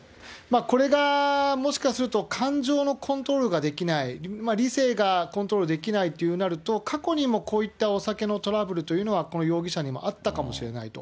これがもしかすると、感情のコントロールができない、理性がコントロールできないってなると、過去にもこういったお酒のトラブルというのは、この容疑者にもあったかもしれないと。